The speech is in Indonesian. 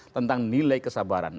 tentang nilai kesabaran